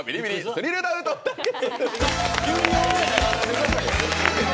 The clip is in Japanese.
スリル「ダウト」対決！